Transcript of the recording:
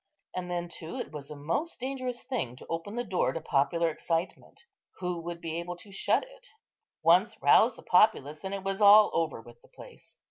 And then, too, it was a most dangerous thing to open the door to popular excitement;—who would be able to shut it? Once rouse the populace, and it was all over with the place.